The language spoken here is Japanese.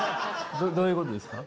どういうことですか？